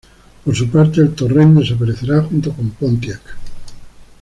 Por su parte, el Torrent desaparecerá junto con Pontiac.